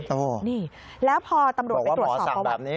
โอ้โฮบอกว่าหมอสั่งแบบนี้แล้วพอตำรวจไปตรวจสอบ